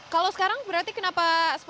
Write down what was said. kalau sekarang berarti kenapa